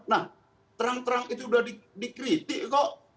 nah terang terang itu sudah dikritik kok